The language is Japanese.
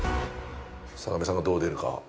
坂上さんがどう出るか？